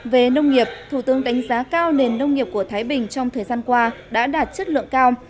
về nông nghiệp thủ tướng đánh giá cao nền nông nghiệp của thái bình trong thời gian qua đã đạt chất lượng cao